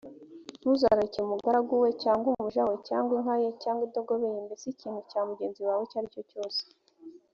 ntuzararikire umugaragu we cyangwa umuja we, cyangwa inka ye, cyangwa indogobe ye, mbese ikintu cya mugenzi wawe icyo ari cyo cyose.